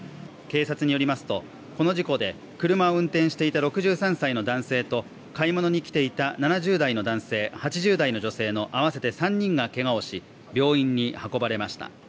警察によりますと、この事故で車を運転していた６３歳の男性と、買い物に来ていた７０代の男性、８０代の女性の合わせて３人がけがをし、病院に運ばれました。